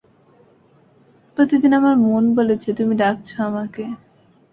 প্রতিদিন আমার মন বলেছে তুমি ডাকছ আমাকে।